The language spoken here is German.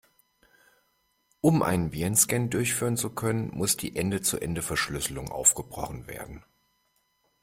Um einen Virenscan durchführen zu können, muss die Ende-zu-Ende-Verschlüsselung aufgebrochen werden.